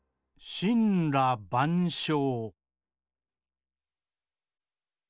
「しんらばんしょう」。